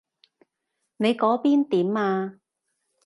你嗰邊點啊？